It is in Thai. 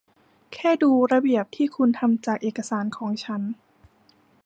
แค่ดูระเบียบที่คุณทำจากเอกสารของฉัน